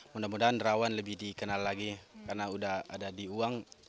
mudah mudahan rawan lebih dikenal lagi karena udah ada di uang